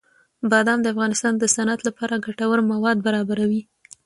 بادام د افغانستان د صنعت لپاره ګټور مواد برابروي.